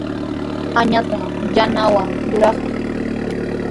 Añasqa yanawan yuraqmi.